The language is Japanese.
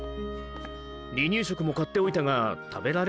離乳食も買っておいたが食べられるのか？